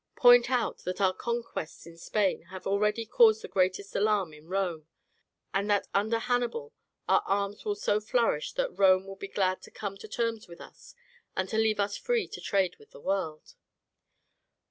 Point out that our conquests in Spain have already caused the greatest alarm in Rome, and that under Hannibal our arms will so flourish that Rome will be glad to come to terms with us, and to leave us free to trade with the world.